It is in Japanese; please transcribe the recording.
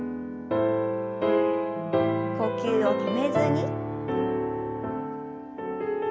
呼吸を止めずに。